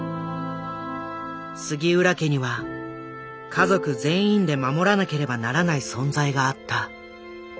杉浦家には家族全員で守らなければならない存在があった。